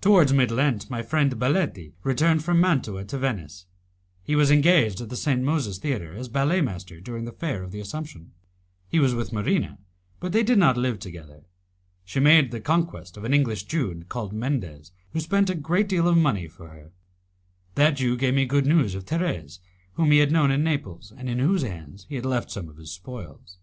Towards mid Lent my friend Baletti returned from Mantua to Venice. He was engaged at the St. Moses Theatre as ballet master during the Fair of the Assumption. He was with Marina, but they did not live together. She made the conquest of an English Jew, called Mendez, who spent a great deal of money for her. That Jew gave me good news of Thérèse, whom he had known in Naples, and in whose hands he had left some of his spoils.